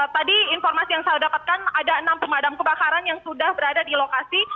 tadi informasi yang saya dapatkan ada enam pemadam kebakaran yang sudah berada di lokasi